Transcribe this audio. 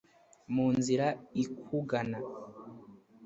mu nzira ikugana